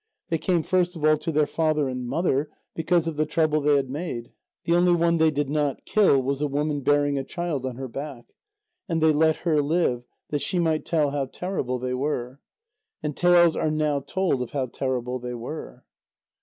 They came first of all to their father and mother, because of the trouble they had made. The only one they did not kill was a woman bearing a child on her back. And they let her live, that she might tell how terrible they were. And tales are now told of how terrible they were.